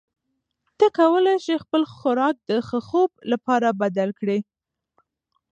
ته کولی شې خپل خوراک د ښه خوب لپاره بدل کړې.